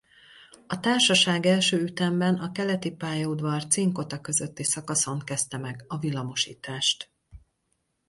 A társaság első ütemben a Keleti pályaudvar–Cinkota közötti szakaszon kezdte meg a villamosítást.